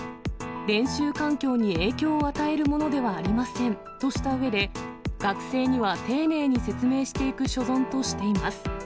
練習環境に影響を与えるものではありませんとしたうえで、学生には丁寧に説明していく所存としています。